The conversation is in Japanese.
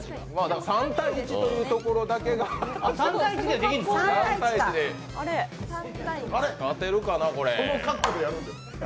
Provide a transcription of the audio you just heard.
３対１というところだけが勝てるかな、これ。